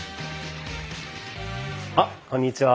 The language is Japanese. あこんにちは。